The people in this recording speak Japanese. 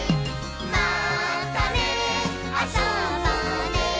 「またねあそぼうね